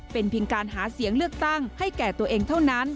เป็นเพียงการหาเสียงเลือกตั้งให้แก่ตัวเองเท่านั้น